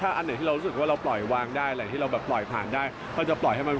อันนี้ไม่ได้เรื่องจริง